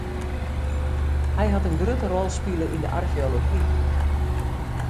Hy hat in grutte rol spile yn de archeology.